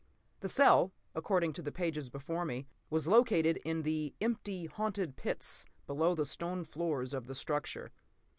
The cell, according to the pages before me, was located in the "empty, haunted pits below the stone floors of the structure...."